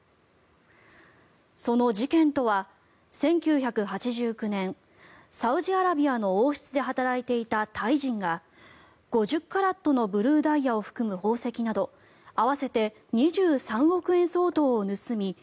その事件とは、１９８９年サウジアラビアの王室で働いていたタイ人が５０カラットのブルーダイヤを含む宝石など合わせて２３億円相当を盗み